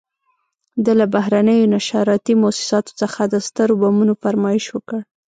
ده له بهرنیو نشراتي موسساتو څخه د سترو بمونو فرمایش وکړ.